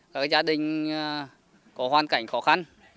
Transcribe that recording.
các gia đình có hoàn cảnh khó khăn